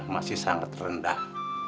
masih sangat rendah